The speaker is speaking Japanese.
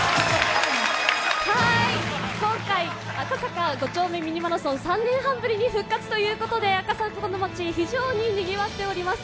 はい、今回「赤坂５丁目ミニマラソン」３年半ぶりに復活ということで赤坂の街、非常ににぎわっております。